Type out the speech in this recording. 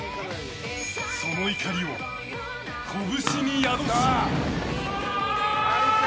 その怒りを拳に宿す。